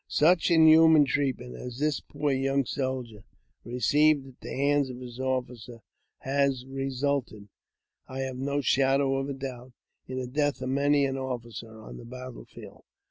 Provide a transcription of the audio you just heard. Such inhuman treatment as this poor young soldier received at the hands of his officers has resulted, I have no shadow of doubt, in the death of many an officer on the battle field.